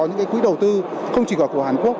những quỹ đầu tư không chỉ của hàn quốc